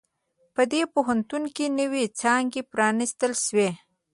په دې پوهنتون کې نوی څانګي پرانیستل شوي